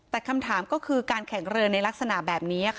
แต่คำถามก็คือการแข่งเรือในลักษณะแบบนี้